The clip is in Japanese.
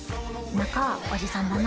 中おじさんだな。